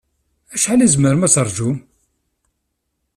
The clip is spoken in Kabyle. Acḥal i tzemrem ad taṛǧum?